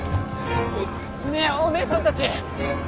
ねえおねえさんたち！